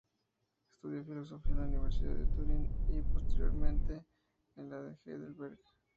Estudió filosofía en la Universidad de Turín y posteriormente en la de Heidelberg.